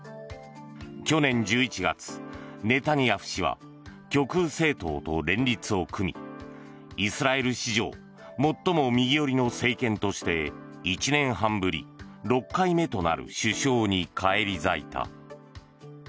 去年１１月、ネタニヤフ氏は極右政党と連立を組みイスラエル史上最も右寄りの政権として１年半ぶり６回目となる首相に返り咲いた。